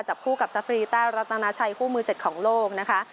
คู่กับซาฟรีแต้รัตนาชัยคู่มือ๗ของโลกนะคะ